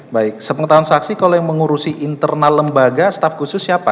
baik sepengetahuan saksi kalau yang mengurusi internal lembaga staf khusus siapa